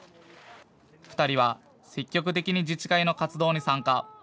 ２人は積極的に自治会の活動に参加。